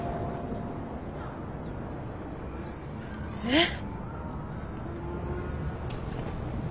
えっ。